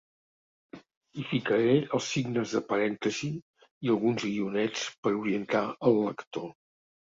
Hi ficaré els signes de parèntesi i alguns guionets per orientar el lector.